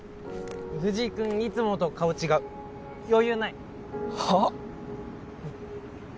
藤井君いつもと顔違う余裕ないはあ？